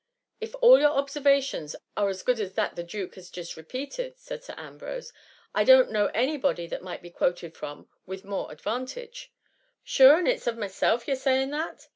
'* If all your obserrations are as good as that the duke has just repeated," s£ud Sir Ambrose, " I don't know any body that might be quoted from with more advantage " Sure ! and is it of myself ye 're sajring that